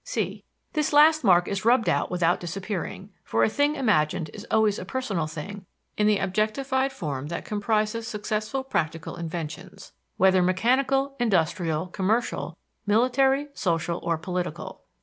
(c) This last mark is rubbed out without disappearing (for a thing imagined is always a personal thing) in the objectified form that comprises successful practical inventions whether mechanical, industrial, commercial, military, social, or political.